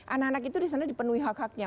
anak anak itu di sana dipenuhi hak haknya